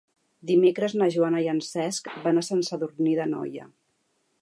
Dimecres na Joana i en Cesc van a Sant Sadurní d'Anoia.